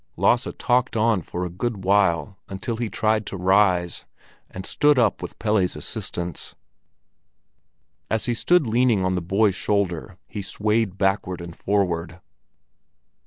Lasse talked on for a good while until he tried to rise, and stood up with Pelle's assistance. As he stood leaning on the boy's shoulder, he swayed backward and forward.